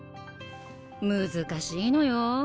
難しいのよ。